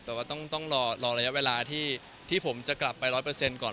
แต่ว่าต้องรอระยะเวลาที่ผมจะกลับไปร้อยเปอร์เซ็นต์ก่อน